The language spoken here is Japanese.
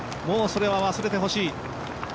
もうそれは忘れてほしい。